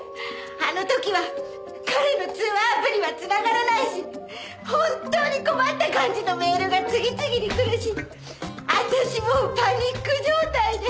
あの時は彼の通話アプリは繋がらないし本当に困った感じのメールが次々にくるし私もうパニック状態で。